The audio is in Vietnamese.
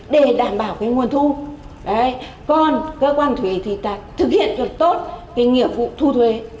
để đảm bảo cái nguồn thu còn cơ quan thuế thì thực hiện được tốt cái nghĩa vụ thu thuế